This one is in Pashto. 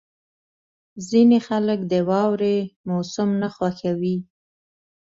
• ځینې خلک د واورې موسم نه خوښوي.